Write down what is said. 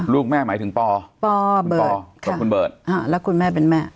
แล้วคุณแม่เป็นแม่